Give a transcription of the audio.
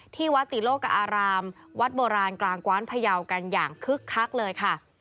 ที่วัดติโลกอารามวัดโบราณกลางกว้านพยาวกันอย่างคึกคักเลยค่ะ